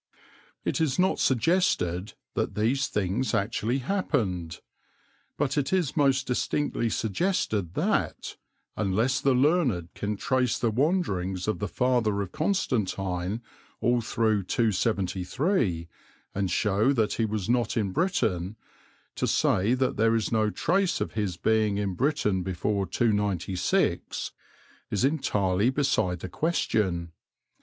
It is not suggested that these things actually happened, but it is most distinctly suggested that, unless the learned can trace the wanderings of the father of Constantine all through 273 and show that he was not in Britain, to say there is no trace of his having been in Britain before 296 is entirely beside the question.